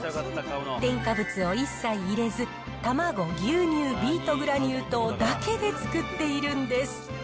添加物を一切入れず、卵、牛乳、ビートグラニュー糖だけで作っているんです。